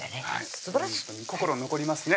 すばらしい心に残りますね